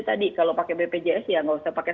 tadi kalau pakai bpjs ya nggak usah pakai